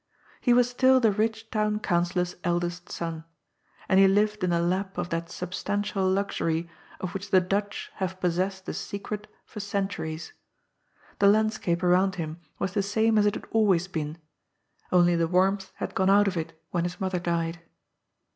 He was still the rich town councillor's eldest son. And he liyed in the lap of that substantial luxury of which the Dutch haye possessed the secret for centuries. The landscape around him was the same as it had always been, only the warmth had gone out of it when his mother died.